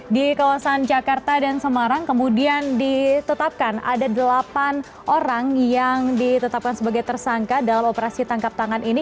di kawasan jakarta dan semarang kemudian ditetapkan ada delapan orang yang ditetapkan sebagai tersangka dalam operasi tangkap tangan ini